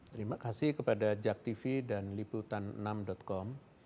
terima kasih kepada jak tv dan liputan enam com